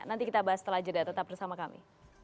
nanti kita bahas setelah jeda tetap bersama kami